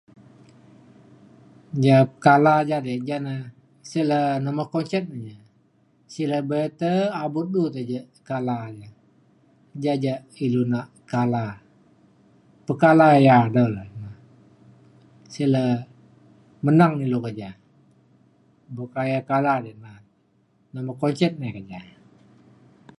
ja kala ja di ja na sik le [unintelligible] sik le be te abut du tu ja kala n. ja ja ilu nak kala. pekala yak de le sik le menang ilu ke ja buk ya kala di na [unintelligible]